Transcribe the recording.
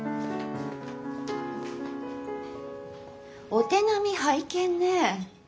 お手並み拝見ね。